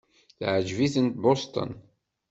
Teɛjeb-iten Boston.